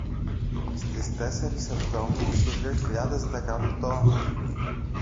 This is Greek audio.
στις τεσσερις εβδόμου του δύο χιλιάδες δέκα οκτώ